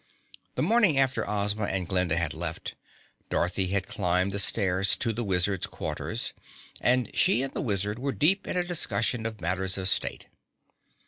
The morning after Ozma and Glinda had left, Dorothy had climbed the stair to the Wizard's quarters, and she and the Wizard were deep in a discussion of matters of state.